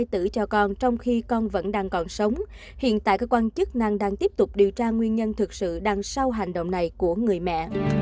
trong khi con vẫn đang còn sống hiện tại các quan chức nàng đang tiếp tục điều tra nguyên nhân thực sự đằng sau hành động này của người mẹ